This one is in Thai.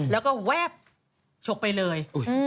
แล้วก็แวบฉกไปเลย